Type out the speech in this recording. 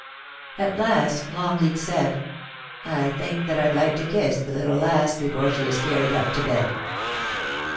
At last Iiongleat said :' I think that I'd like to kiss the little lass before she is carried up to bed.'